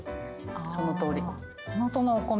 そのとおり。